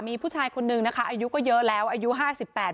มีผู้ชายคนนึงนะคะอายุก็เยอะแล้วอายุห้าสิบแปด